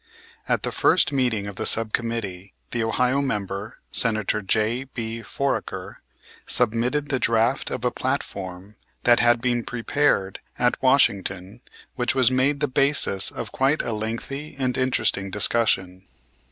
At the first meeting of the sub committee, the Ohio member, Senator J.B. Foraker, submitted the draft of a platform that had been prepared at Washington which was made the basis of quite a lengthy and interesting discussion.